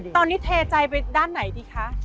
ตอนนี้เทใจไปด้านไหนดีคะ